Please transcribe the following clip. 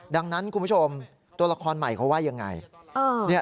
ดังนั้นคุณผู้ชมตัวละครใหม่เขาว่ายังไง